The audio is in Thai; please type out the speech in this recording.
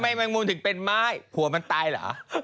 ทำไมแมงมูลถึงเป็นไม้ผัวมันตายเหรอ